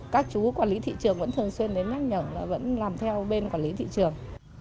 các chú quản lý thị trường vẫn thường xuyên đến nhắc nhở vẫn làm theo bên quản lý thị trường